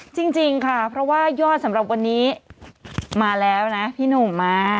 จริงค่ะเพราะว่ายอดสำหรับวันนี้มาแล้วนะพี่หนุ่มมา